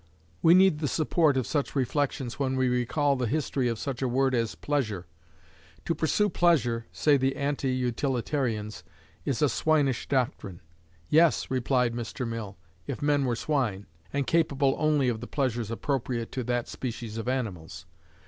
We need the support of such reflections when we recall the history of such a word as "pleasure." To pursue pleasure, say the anti utilitarians, is a swinish doctrine. "Yes," replied Mr. Mill, "if men were swine, and capable only of the pleasures appropriate to that species of animals."